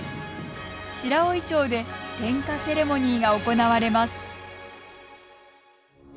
白老町で点火セレモニーが行われます。